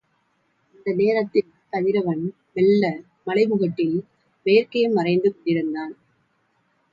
அந்த நேரத்தில் கதிரவன் மெல்ல மலை முகட்டில் மேற்கே மறைந்து கொண்டிருந்தான்.